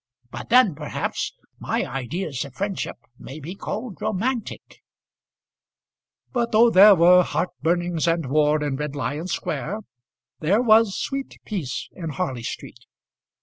But then, perhaps, my ideas of friendship may be called romantic." But though there were heart burnings and war in Red Lion Square, there was sweet peace in Harley Street.